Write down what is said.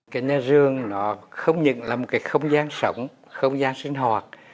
cái nhà rường nó không những là một cái không gian sống không gian sinh hoạt